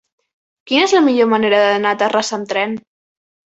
Quina és la millor manera d'anar a Terrassa amb tren?